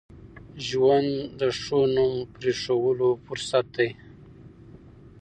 ژوند د ښو نوم پرېښوولو فرصت دی.